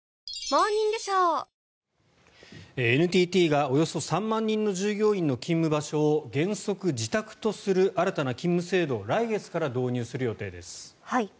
ＮＴＴがおよそ３万人の従業員の勤務場所を原則自宅とする新たな勤務制度を来月から導入する予定です。